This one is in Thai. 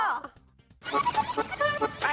กลับมา